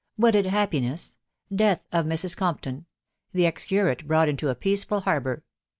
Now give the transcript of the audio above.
WEDDED HAPPINESS. — DEATH OF MRS. COMPTON. —THE EX CURATS BROUGHT INTO A PEACEFUL HARBOUR.